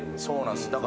そうなんす。